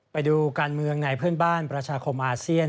ไปดูการเมืองในเพื่อนบ้านประชาคมอาเซียน